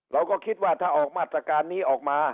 เราก็คิดว่าถ้าออกมาตรการนี้ออกมา